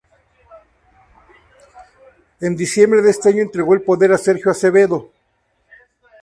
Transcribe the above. En diciembre de ese año entregó el poder a Sergio Acevedo.